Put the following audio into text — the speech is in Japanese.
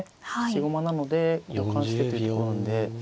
質駒なので奪還してというところなので。